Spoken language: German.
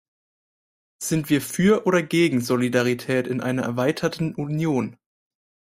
Sind wir für oder gegen Solidarität in einer erweiterten Union?